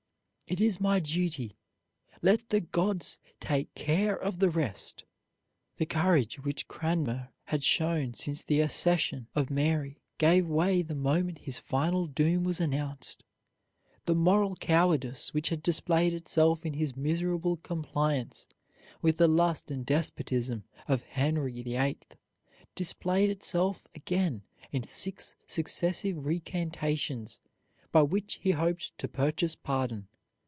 It is my duty. Let the gods take care of the rest." The courage which Cranmer had shown since the accession of Mary gave way the moment his final doom was announced. The moral cowardice which had displayed itself in his miserable compliance with the lust and despotism of Henry VIII displayed itself again in six successive recantations by which he hoped to purchase pardon.